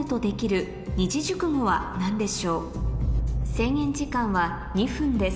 制限時間は２分です